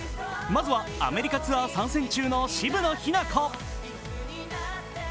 まずはアメリカツアー参戦中の渋野日向子。